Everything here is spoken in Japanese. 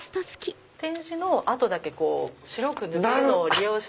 点字の跡だけ白く抜けるのを利用して。